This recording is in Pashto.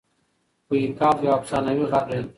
کوه قاف یو افسانوي غر دئ.